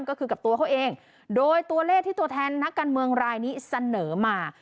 ก็คือกับตัวเขาเองโดยตัวเลขที่ตัวแทนนักการเมืองรายนี้เสนอมา